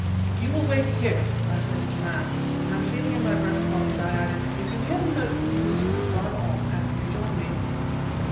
"You will wait here," I said to the man; and, feeling in my breast pocket, I added: "If you hear the note of a whistle, drive on and rejoin me."